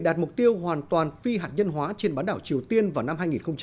đạt mục tiêu hoàn toàn phi hạt nhân hóa trên bán đảo triều tiên vào năm hai nghìn hai mươi